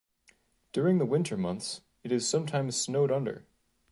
During the winter months it is sometimes snowed under.